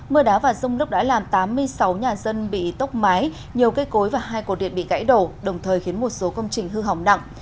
mưa đá và rông lốc đã làm tám mươi sáu nhà dân bị tốc mái nhiều cây cối và hai cổ điện bị gãy đổ đồng thời khiến một số công trình hư hỏng nặng